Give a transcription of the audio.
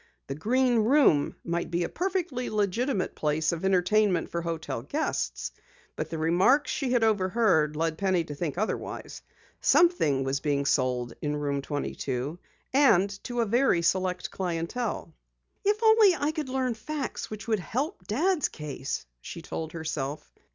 The Green Room might be a perfectly legitimate place of entertainment for hotel guests, but the remarks she had overheard led Penny to think otherwise. Something was being sold in Room 22. And to a very select clientele! "If only I could learn facts which would help Dad's case!" she told herself.